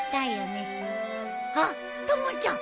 あったまちゃん